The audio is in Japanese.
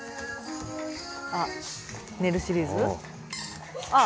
あっ寝るシリーズ？ああ。